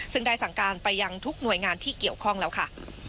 ซึ่งได้สั่งการไปยังทุกหน่วยงานที่เกี่ยวข้องแล้วค่ะ